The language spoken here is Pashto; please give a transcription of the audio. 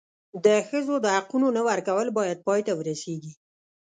د ښځو د حقونو نه ورکول باید پای ته ورسېږي.